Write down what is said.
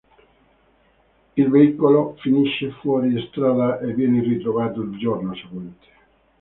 Il veicolo finisce fuori strada e viene ritrovato il giorno seguente.